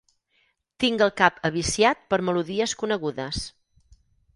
Tinc el cap aviciat per melodies conegudes.